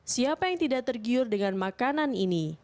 siapa yang tidak tergiur dengan makanan ini